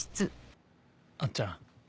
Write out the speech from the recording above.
あっちゃん。